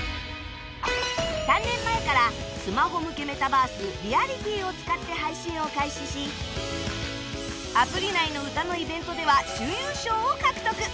３年前からスマホ向けメタバース ＲＥＡＬＩＴＹ を使って配信を開始しアプリ内の歌のイベントでは準優勝を獲得